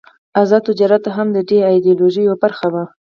آزاد تجارت هم د دې ایډیالوژۍ یوه برخه وه.